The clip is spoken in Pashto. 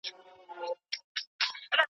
دا لېږد د ادارو ترمنځ تګ راتګ بلل کېږي.